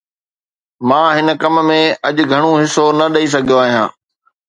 مان هن ڪم ۾ اڄ گهڻو حصو نه ڏئي سگهيو آهيان.